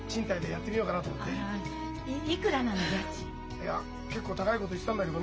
いや結構高いこと言ってたんだけどね